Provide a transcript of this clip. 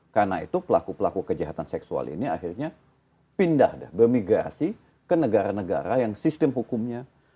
karena itu pelaku pelaku kejahatan seksual ini akhirnya pindah dah bermigrasi ke negara negara yang sistem hukumnya